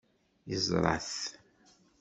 Yeẓra-t.